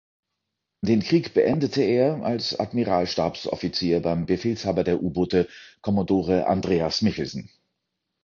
Den Krieg beendete er als Admiralstabsoffizier beim Befehlshaber der U-Boote, Kommodore Andreas Michelsen.